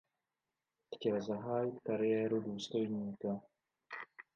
Chtěl zahájit kariéru důstojníka.